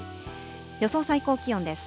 予想最高気温です。